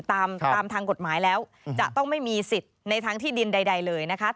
ตามทางกฎหมายแล้วจะต้องไม่มีสิทธิ์ในทางที่ดินใดเลยนะคะ